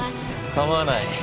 構わない。